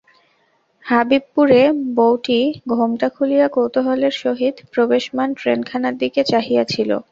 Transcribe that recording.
হবিবপুরের বৌটি ঘোমটা খুলিয়া কৌতুহলের সহিত প্রবেশমান ট্রেনখানার দিকে চাহিয়া ছিল।